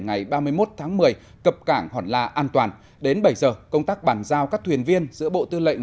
ngày ba mươi một tháng một mươi cập cảng hòn la an toàn đến bảy giờ công tác bàn giao các thuyền viên giữa bộ tư lệnh